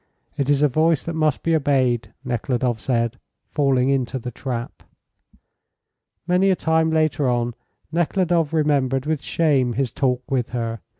It is a voice that must be obeyed," Nekhludoff said, falling into the trap. Many a time later on Nekhludoff remembered with shame his talk with her.